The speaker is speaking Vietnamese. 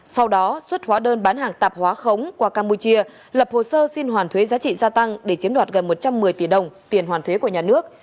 sau đó xuất hóa đơn bán hàng tạp hóa khống qua campuchia lập hồ sơ xin hoàn thuế giá trị gia tăng để chiếm đoạt gần một trăm một mươi tỷ đồng tiền hoàn thuế của nhà nước